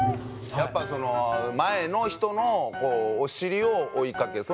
やっぱその前の人のお尻を追いかける。